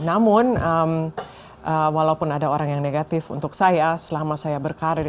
namun walaupun ada orang yang negatif untuk saya selama saya berkarir